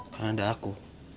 karena ada aku